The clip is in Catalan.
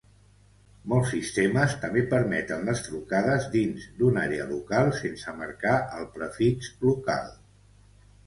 Molts sistemes també permeten les trucades dins d'una àrea local sense marcar el prefix local.